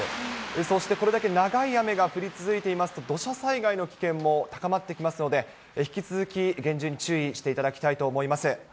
そしてこれだけ長い雨が降り続いていますと、土砂災害の危険も高まってきますので、引き続き厳重に注意していただきたいと思います。